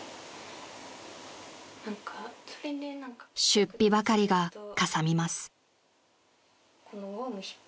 ［出費ばかりがかさみます］